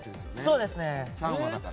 そうですね。